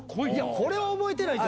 これは覚えてないと！